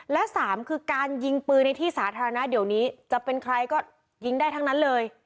และสามคือการยิงปืนในที่สาธารณะเดี๋ยวนี้จะเป็นใครก็ยิงได้ทั้งนั้นเลย